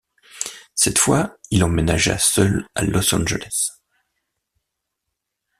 Cette fois, il emménagea seul à Los Angeles.